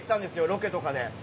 ロケとかで。